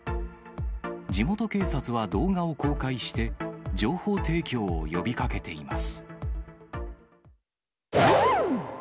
地元警察は動画を公開して、情報提供を呼びかけています。